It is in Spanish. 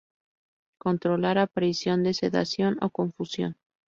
Controlar aparición de sedación o confusión.